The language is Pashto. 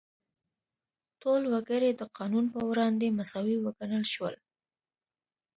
ټول وګړي د قانون په وړاندې مساوي وګڼل شول.